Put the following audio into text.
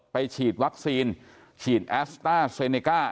ฉีดวัคซีนฉีดแอสต้าเซเนก้า